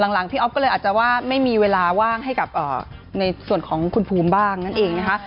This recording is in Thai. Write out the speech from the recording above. หลังพี่อ๊อฟก็เลยอาจจะว่าไม่มีเวลาว่างให้กับในส่วนของคุณภูมิบ้างนั่นเองนะคะ